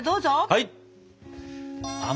はい！